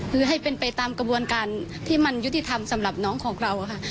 คือให้เป็นไปตามกระบวนการที่มันยุติธรรมสำหรับน้องของเราค่ะ